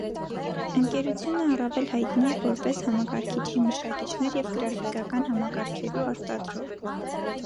Ընկերութիւնը առավել յայտնի է որպէս համակարգիչի մշակիչներ եւ գրաֆիկական համակարգերու արտադրող։